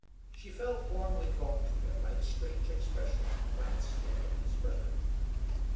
She felt warmly drawn to him by the strange expression in the glance he had given his brother.